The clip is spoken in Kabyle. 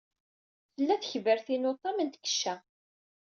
Tla tekbert inu tam n tkecca.